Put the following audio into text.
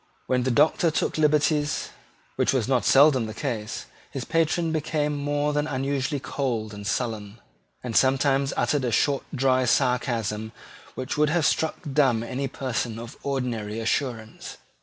When the Doctor took liberties, which was not seldom the case, his patron became more than usually cold and sullen, and sometimes uttered a short dry sarcasm which would have struck dumb any person of ordinary assurance.